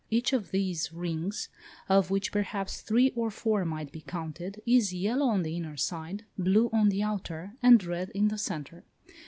Each of these rings, of which perhaps three or four might be counted, is yellow on the inner side, blue on the outer, and red in the centre.